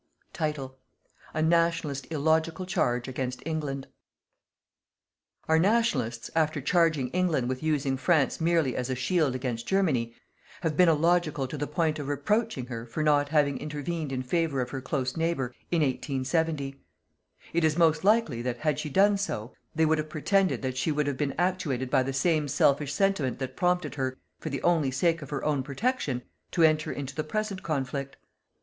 A "NATIONALIST" ILLOGICAL CHARGE AGAINST ENGLAND. Our Nationalists, after charging England with using France merely as a shield against Germany, have been illogical to the point of reproaching her for not having intervened in favour of her close neighbour, in 1870. It is most likely that, had she done so, they would have pretended that she would have been actuated by the same selfish sentiment that prompted her, for the only sake of her own protection, to enter into the present conflict.